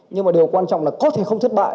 nhưng mà điều quan trọng là có thể không thất bại